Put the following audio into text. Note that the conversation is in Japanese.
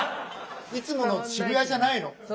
いつもの渋谷じゃないの？